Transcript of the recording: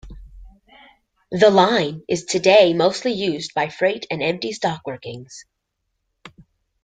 The line is today mostly used by freight and empty stock workings.